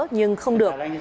nhưng không được